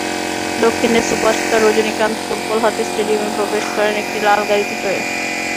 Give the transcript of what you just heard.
দক্ষিণের superstar Rajinikanth football হাতে স্টেডিয়ামে প্রবেশ করেন একটি লাল গাড়িতে চড়ে।